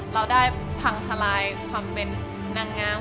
เราได้พังทลายความเป็นนางงาม